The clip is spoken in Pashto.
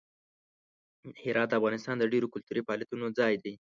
هرات د افغانستان د ډیرو کلتوري فعالیتونو ځای دی.